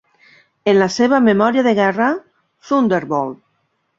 En la seva memòria de guerra, Thunderbolt!